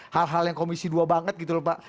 hal hal yang komisi dua banget gitu lho pak